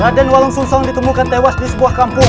ada walung sungsong ditemukan tewas di sebuah kampung